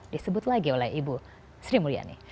disebut lagi oleh ibu sri mulyani